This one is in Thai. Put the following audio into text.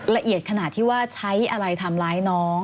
ละเอียดขนาดที่ว่าใช้อะไรทำร้ายน้อง